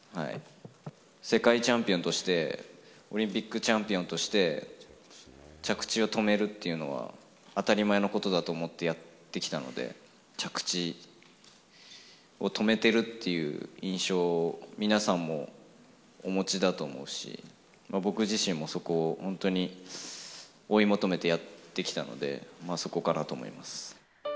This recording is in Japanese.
世界チャンピオンとして、オリンピックチャンピオンとして、着地を止めるっていうのは、当たり前のことだと思ってやってきたので、着地を止めているっていう印象を皆さんもお持ちだと思うし、僕自身も、そこを本当に追い求めてやってきたので、そこかなと思います。